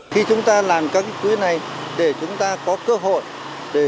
khi chúng ta làm các quỹ này để chúng ta có cơ hội